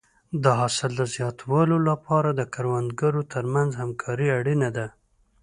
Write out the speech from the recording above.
د حاصل د زیاتوالي لپاره د کروندګرو ترمنځ همکاري اړینه ده.